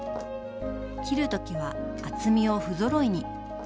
切る時は厚みをふぞろいに。